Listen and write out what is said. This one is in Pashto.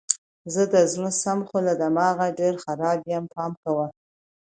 زه د زړه سم خو له دماغو ډېر خراب یم پام کوه!